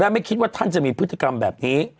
ไม่คิดว่าท่านจะมีพฤติกรรมแบบนี้